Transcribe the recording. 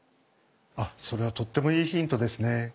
あっそれはとってもいいヒントですね。